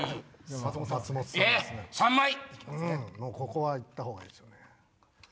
ここは行ったほうがいいですよね。